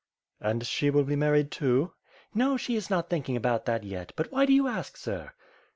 "And she will be married, too." "No, she is not thinking about that yet; but why do you ask. Sir?"